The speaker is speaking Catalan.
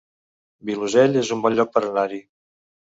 Vilosell, el es un bon lloc per anar-hi